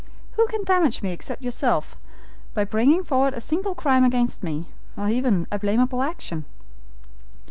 Who can damage me except yourself, by bringing forward a single crime against me, or even a blameable action?